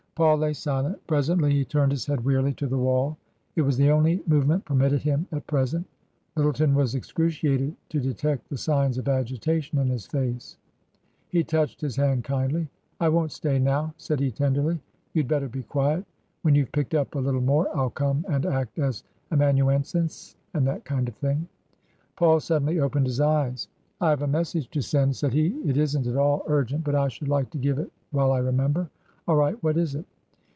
Paul lay silent. Presently he turned his head wearily to the wall ; it was the only movement permitted him at present Lyttleton was excruciated to detect the signs of agitation in his face. He touched his hand kindly. " I won't stay now," said he, tenderly ;" you'd better be quiet. When you've picked up a little more I'll come and act as amanuensis and that kind of thing." Paul suddenly opened his eyes. " I've a message to send," said he ;" it isn't at all urgent, but I should like to give it while I remember." "All right What IS it?"